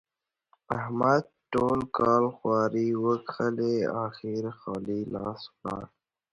احمد ټول کال خواري وکښلې؛ اخېر خالي لاس ولاړ.